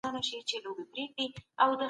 طبیعي علوم له ټولنیزو علومو سره توپیر لري.